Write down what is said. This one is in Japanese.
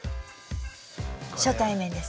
初対面です。